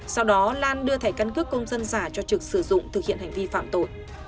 sau đó lan đưa thẻ căn cước công dân giả cho trực sử dụng thực hiện hành vi phạm tội